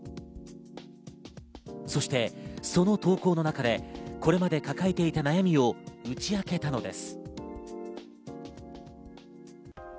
そしてその投稿の中でこれまで抱えていた悩みを打ち明けたのです。